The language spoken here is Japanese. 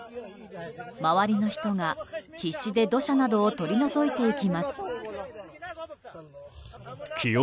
周りの人たちが必死で土砂などを取り除いていきます。